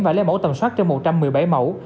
và lấy mẫu tầm soát cho một trăm một mươi bảy mẫu